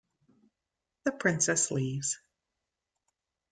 The Princess leaves.